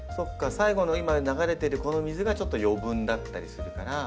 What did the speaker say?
最後の今流れてるこの水がちょっと余分だったりするから。